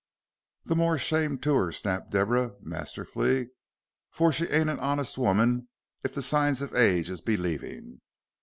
"Then more shame to 'er," snapped Deborah, masterfully; "for she ain't an honest woman if the signs of age is believing.